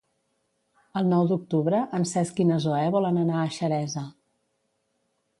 El nou d'octubre en Cesc i na Zoè volen anar a Xeresa.